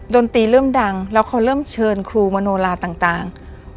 ดนตรีเริ่มดังแล้วเขาเริ่มเชิญครูมโนลาต่าง